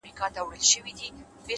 اخلاص د زړه ژبه ده!